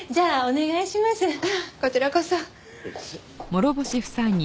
ああこちらこそ。